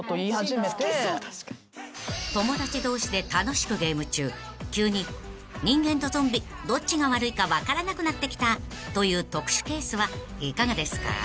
［友達同士で楽しくゲーム中急に人間とゾンビどっちが悪いか分からなくなってきたという特殊ケースはいかがですか？］